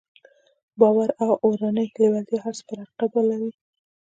باور او اورنۍ لېوالتیا هر څه پر حقيقت بدلوي.